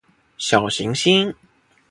小行星